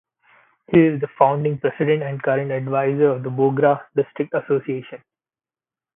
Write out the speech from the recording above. He is the founding president and current advisor of the Bogra District Association.